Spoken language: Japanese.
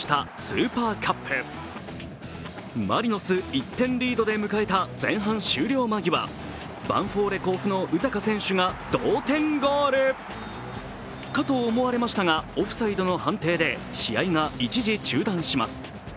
１点リードで迎えた前半終了間際、ヴァンフォーレ甲府のウタカ選手が同点ゴールかと思われましたが、オフサイドの判定で試合が一時中断します。